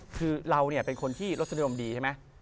คือเราเป็นคนที่รสนิยมดีใช่ไหม